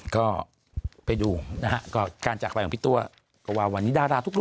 ก็ไปดูการจากแบบของพี่ตู่อ่ะว่าวันนี้ดาดาทุกคน